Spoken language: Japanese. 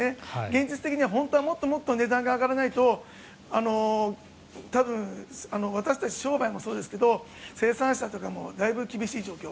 現実的にはもっともっと値段が上がらないと多分、私たち商売もそうですが生産者とかもだいぶ厳しい状況。